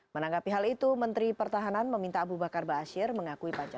menanggapi hal itu menteri pertahanan meminta abu bakar ba'asyir mengakui pancasila